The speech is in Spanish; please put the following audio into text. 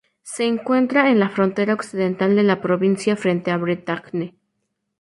Se encuentra en la frontera occidental de la provincia, frente a Bretagne.